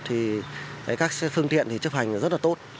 thì các xe phương tiện chấp hành rất là tốt